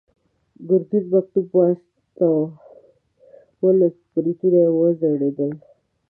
ګرګين مکتوب ولوست، برېتونه يې وځړېدل.